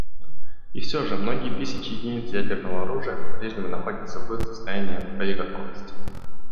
И все же многие тысячи единиц ядерного оружия попрежнему находятся в состоянии боеготовности.